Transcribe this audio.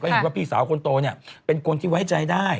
เห็นว่าพี่สาวคนโตเนี่ยเป็นคนที่ไว้ใจได้